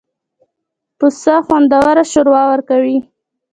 پسه خوندور شوروا ورکوي.